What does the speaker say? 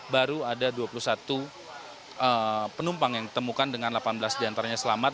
baru ada dua puluh satu penumpang yang ditemukan dengan delapan belas diantaranya selamat